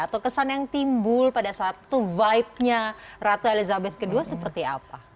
atau kesan yang timbul pada saat itu vibe nya ratu elizabeth ii seperti apa